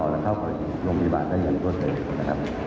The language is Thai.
และเข้าขนาดโรงพยาบาลได้อย่างตัวเอง